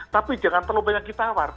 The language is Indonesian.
tapi jangan terlalu banyak kita khawatir